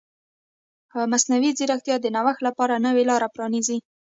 مصنوعي ځیرکتیا د نوښت لپاره نوې لارې پرانیزي.